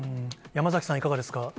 山崎さん、いかがですか？